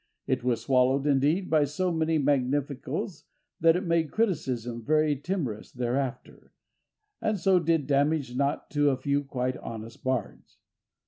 It was swallowed, indeed, by so many magnificoes that it made criticism very timorous thereafter, and so did damage to not a few quite honest bards.